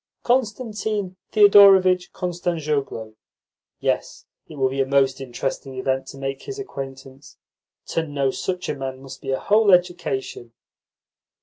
"Constantine Thedorovitch Kostanzhoglo. Yes, it will be a most interesting event to make his acquaintance. To know such a man must be a whole education."